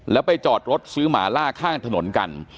แล้วไปจอดรถซื้อหมาล่าข้างถนนกัน